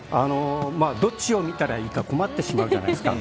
どっちを見たらいいか困ってしまうじゃないですか。